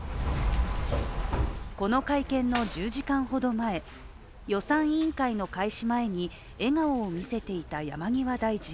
この会見の１０時間ほど前、予算委員会の開始前に笑顔を見せていた山際大臣。